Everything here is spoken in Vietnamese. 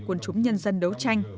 quân chúng nhân dân đấu tranh